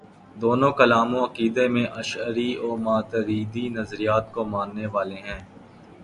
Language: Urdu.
دونوں کلام و عقیدہ میں اشعری و ماتریدی نظریات کو ماننے والے ہیں۔